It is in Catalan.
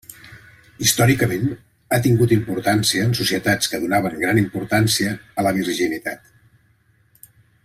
Històricament, ha tingut importància en societats que donaven gran importància a la virginitat.